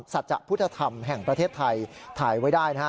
สัจจะพุทธธรรมแห่งประเทศไทยถ่ายไว้ได้นะฮะ